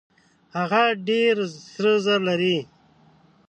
هغه ډېر سره زر لري.